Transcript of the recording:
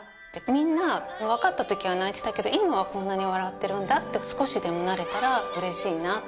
みんな分かった時は泣いてたけど今はこんなに笑ってるんだって少しでもなれたらうれしいな。